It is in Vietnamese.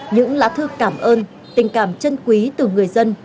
những lá thư cảm ơn tình cảm chân quý từ người dân